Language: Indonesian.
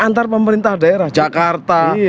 antara pemerintah daerah jakarta